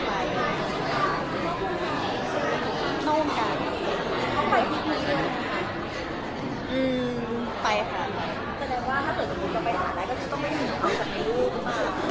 แสดงว่าถ้าเถอะจะมุมไปหาได้ก็จะต้องไม่มีความสะดวกมาก